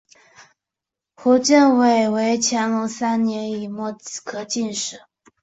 胡建伟为乾隆三年己未科进士。